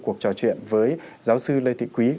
cuộc trò chuyện với giáo sư lê thị quý